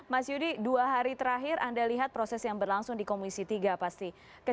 mas yudi dua hari terakhir anda lihat proses yang berlangsung di komisi tiga pasti